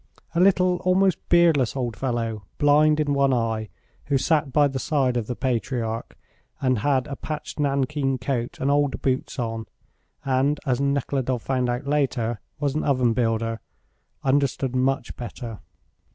A little, almost beardless old fellow, blind in one eye, who sat by the side of the patriarch, and had a patched nankeen coat and old boots on, and, as Nekhludoff found out later, was an oven builder, understood much better.